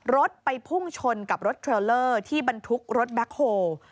รถไปพุ่งชนกับรถเทรลเลอร์ที่บรรทุกรถแบ็คโฮล